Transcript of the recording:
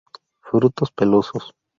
Frutos pelosos.